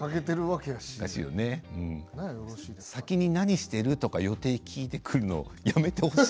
かけてるわけだから先に何してる？とか予定聞いてくるのも、やめてほしい。